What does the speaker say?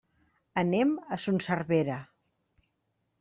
Anem a Son Servera.